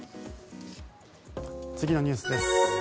次のニュースです。